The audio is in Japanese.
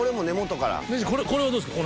名人これはどうですか？